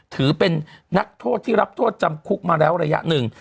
ถือเป็นนักโทษที่รับโทษจำคุกมาแล้วระยะหนึ่ง